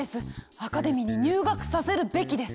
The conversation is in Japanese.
アカデミーに入学させるべきです！